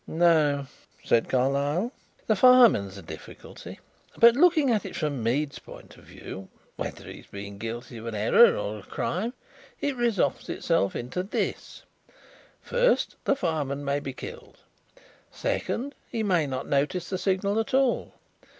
"No," said Carlyle. "The fireman is a difficulty, but looking at it from Mead's point of view whether he has been guilty of an error or a crime it resolves itself into this: First, the fireman may be killed. Second, he may not notice the signal at all.